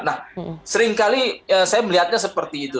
nah seringkali saya melihatnya seperti itu